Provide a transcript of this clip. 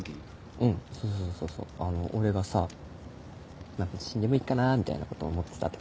うんそうそうあの俺がさ何か死んでもいいかなぁみたいなことを思ってた時。